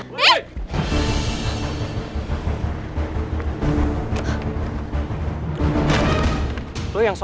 gak ada yang mau ngajak